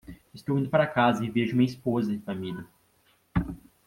Estou indo para casa e vejo minha esposa e família.